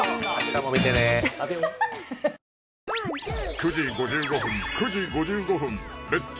９時５５分９時５５分「レッツ！